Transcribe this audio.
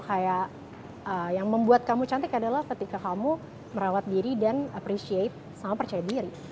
kayak yang membuat kamu cantik adalah ketika kamu merawat diri dan appreciate sama percaya diri